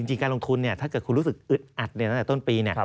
การลงทุนถ้าเกิดคุณรู้สึกอึดอัดตั้งแต่ต้นปี